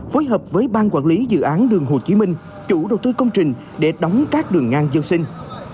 phối hợp với ban quản lý dự án đường hồ chí minh chủ đầu tư công trình để đóng các đường ngang dân sinh